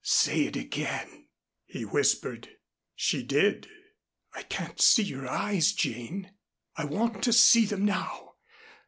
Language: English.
"Say it again," he whispered. She did. "I can't see your eyes, Jane. I want to see them now.